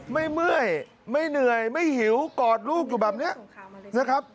เมื่อยไม่เหนื่อยไม่หิวกอดลูกอยู่แบบนี้นะครับ